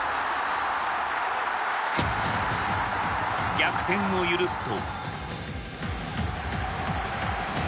逆転を許すと。